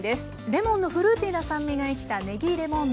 レモンのフルーティーな酸味が生きたねぎレモン